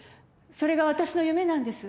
それが私の夢なんです。